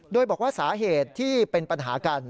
โดยบอกว่าสาเหตุที่เป็นปัญหากัน